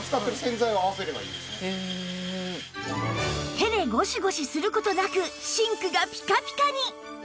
手でゴシゴシする事なくシンクがピカピカに